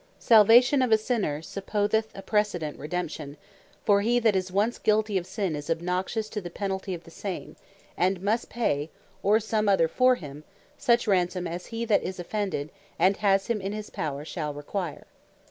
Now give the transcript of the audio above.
Redemption Salvation of a sinner, supposeth a precedent REDEMPTION; for he that is once guilty of Sin, is obnoxious to the Penalty of the same; and must pay (or some other for him) such Ransome, as he that is offended, and has him in his power, shall require.